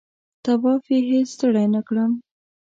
طواف یې هېڅ ستړی نه کړم.